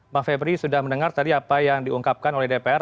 bang febri sudah mendengar tadi apa yang diungkapkan oleh dpr